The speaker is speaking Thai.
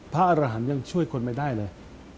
พระอรหันต์ยังช่วยคนไม่ได้เลย